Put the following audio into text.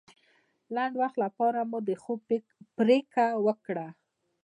د لنډ وخت لپاره مو د خوب پرېکړه وکړه.